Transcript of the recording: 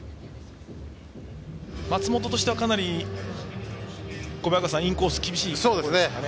松本としてはかなりインコースの厳しいところでしたね。